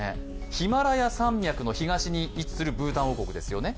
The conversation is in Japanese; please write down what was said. ヒマラヤ山脈の東に位置するブータンですよね